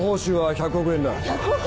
１００億！